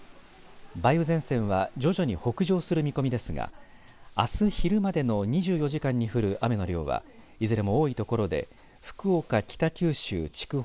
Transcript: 梅雨前線は徐々に北上する見込みですがあす昼までの２４時間に降る雨の量はいずれも多いところで福岡、北九州、筑豊